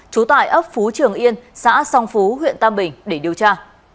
trú tại ấp phú trường yên xã song phú huyện tam bình để điều tra